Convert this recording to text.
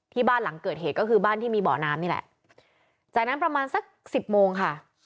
บ้านหลังเกิดเหตุก็คือบ้านที่มีเบาะน้ำนี่แหละจากนั้นประมาณสักสิบโมงค่ะ